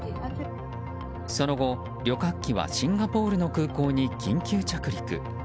その後、旅客機はシンガポールの空港に緊急着陸。